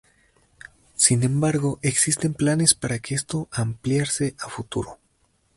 Sin embargo, existen planes para que esto ampliarse en el futuro.